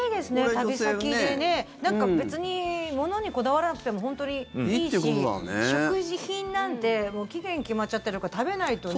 旅先でね、なんか別に物にこだわらなくても本当にいいし食品なんてもう期限決まっちゃってるから食べないとね。